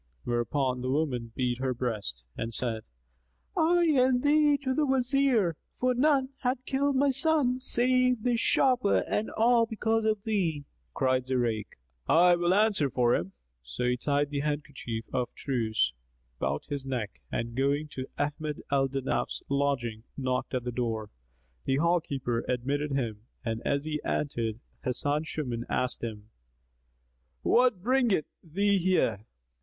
whereupon the woman beat her breast and said, "I and thee to the Wazir, for none hath killed my son save this sharper, and all because of thee." Cried Zurayk, "I will answer for him." So he tied the kerchief of truce about his neck and going to Ahmad al Danaf's lodging, knocked at the door. The hall keeper admitted him and as he entered Hasan Shuman asked him, "What bringeth thee here?"